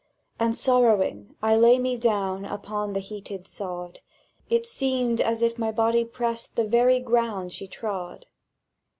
And sorrowing I lay me down Upon the heated sod: It seemed as if my body pressed The very ground she trod.